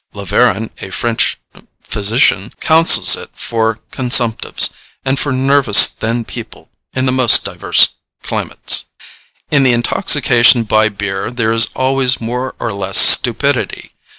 "[A] Laveran, a French physician, counsels it for consumptives, and for nervous thin people in the most diverse climates. In the intoxication by beer there is always more or less stupidity.